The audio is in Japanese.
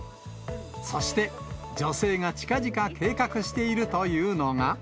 そして、女性が近々計画しているというのが。